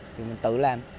thì mình tự làm